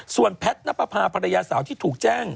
ส่วนแพทย์นับประพาภรรยาสาวที่ถูกแจ้ง